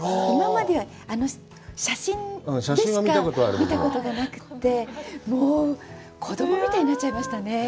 今までは写真でしか見たことがなくて、子供みたいになっちゃいましたね。